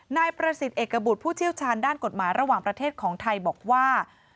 นายประสิทธิ์เอกบุตรผู้เชี่ยวชาญด้านกฎหมายระหว่างประเทศของไทยบอกว่า